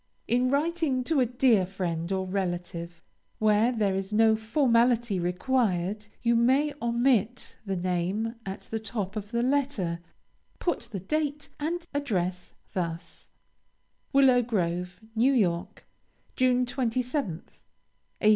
In writing to a dear friend or relative, where there is no formality required, you may omit the name at the top of the letter; put the date and address thus WILLOW GROVE, NEW YORK, June 27th, 1859.